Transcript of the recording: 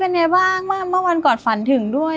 เป็นไงบ้างเมื่อวันก่อนฝันถึงด้วย